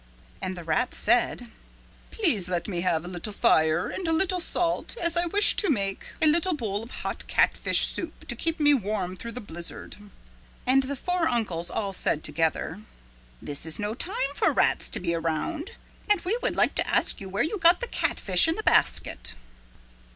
And the rat said, "Please let me have a little fire and a little salt as I wish to make a little bowl of hot catfish soup to keep me warm through the blizzard." And the four uncles all said together, "This is no time for rats to be around and we would like to ask you where you got the catfish in the basket."